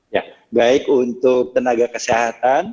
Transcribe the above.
ya baik untuk tenaga kesehatan